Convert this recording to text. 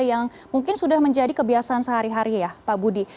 yang mungkin sudah menjadi kebiasaan sehari hari ya pak budi